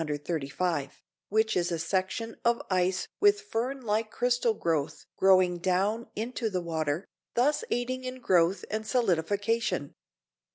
135, which is a section of ice with fern like crystal growth growing down into the water, thus aiding in growth and solidification.